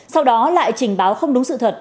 sau đó lại trình báo không đúng sự thật